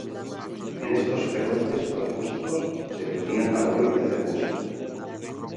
En estos frecuentes, los músicos se reunían para oír y hacer música.